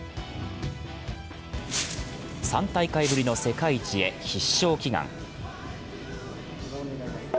３大会ぶりの世界一へ、必勝祈願。